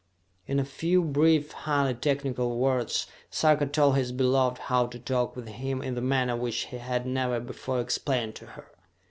In a few brief, highly technical words, Sarka told his beloved how to talk with him in the manner which he had never before explained to her.